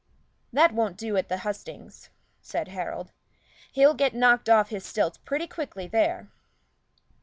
"That won't do at the hustings," said Harold. "He'll get knocked off his stilts pretty quickly there."